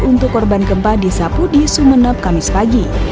untuk korban gempa di sabudi sumeneb kamis pagi